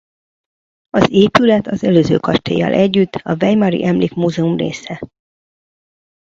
Az épület az előző kastéllyal együtt a weimari emlékmúzeum része.